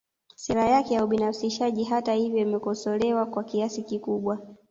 Sera yake ya ubinafsishaji hata hivyo imekosolewa kwa kiasi kikubwa